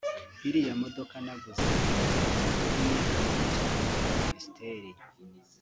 Iriya modoka naguze ntabwo ari iy’Itorero cyangwa ya Ministeri